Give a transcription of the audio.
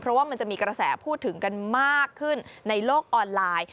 เพราะว่ามันจะมีกระแสพูดถึงกันมากขึ้นในโลกออนไลน์